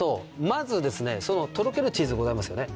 まずですねとろけるチーズございますよね。